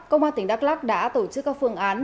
công an tỉnh đắk lắc đã tổ chức các phương án